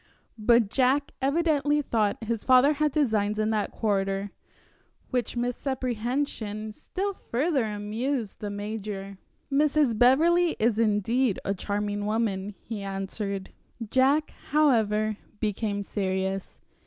But Jack evidently thought his father had designs in that quarter, which misapprehension still further amused the major. "Mrs. Beverley is indeed a charming woman," he answered. Jack, however, became serious.